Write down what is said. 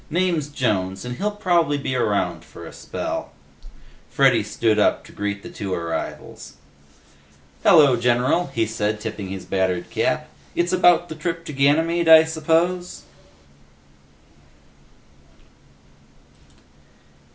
Name's Jones, and he'll probably be around for a spell." Freddy stood up to greet the two arrivals. "Hello, general," he said, tipping his battered cap. "It's about the trip to Ganymede, I suppose?"